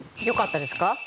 よかったですか？